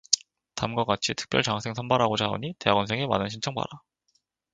담과 같이 특별 장학생 선발하고자 하오니 대학원생의 많은 신청 바라.